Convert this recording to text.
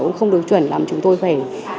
cũng không được chuẩn làm chúng tôi phải